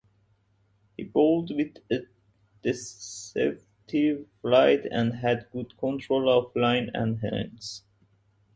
He bowled with a "deceptive flight" and had good control of line and length.